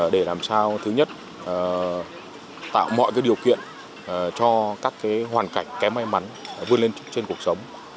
để làm sao thứ nhất tạo mọi điều kiện cho các hoàn cảnh kém may mắn vươn lên trên cuộc sống